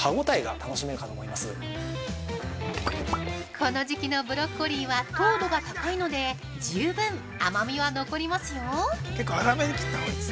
◆この時期のブロッコリーは糖度が高いので、十分甘みは残りますよ。